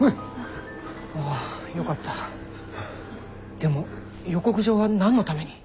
でも予告状は何のために。